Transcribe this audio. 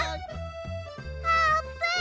あーぷん！